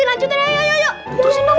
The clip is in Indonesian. nanti dia akan menang